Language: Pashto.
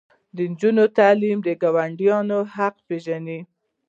د نجونو تعلیم د ګاونډیانو حقوق پیژني.